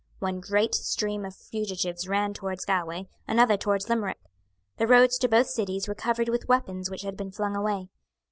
One great stream of fugitives ran towards Galway, another towards Limerick. The roads to both cities were covered with weapons which had been flung away.